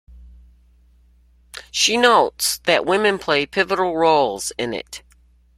She notes that women play pivotal roles in it.